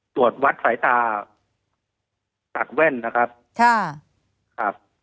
ตรวจวัดสายตาตักแว่นนะครับค่ะครับ